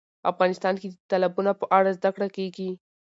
افغانستان کې د تالابونه په اړه زده کړه کېږي.